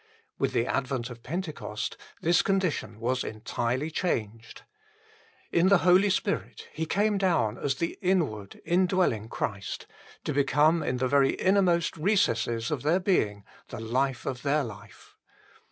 With the advent of Pentecost this condition was entirely changed. In the Holy Spirit He came down as the inward, indwelling Christ, to become in the very innermost recesses of their being the life of their life.